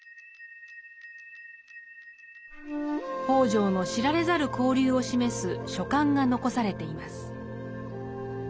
北條の知られざる交流を示す書簡が残されています。